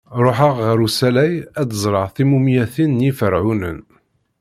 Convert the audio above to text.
Ruḥeɣ ɣer usalay ad d-ẓreɣ timumyatin n Yiferɛunen.